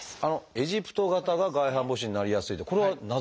エジプト型が外反母趾になりやすいってこれはなぜなんですか？